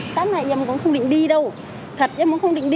sáng nay em cũng không định đi đâu thật em cũng không định đi